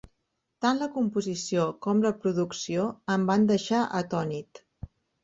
Tant la composició com la producció en va deixar em van deixar atònit.